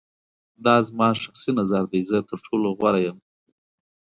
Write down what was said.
دا زما شخصی نظر دی. زه تر ټولو غوره یم.